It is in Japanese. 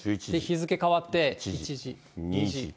日付変わって、１時、２時。